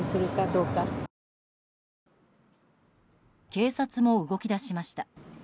警察も動き出しました。